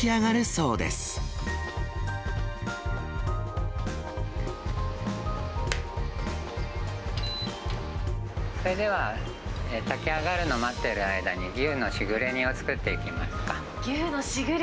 それでは炊き上がるのを待っている間に、牛のしぐれ煮を作っていきますか。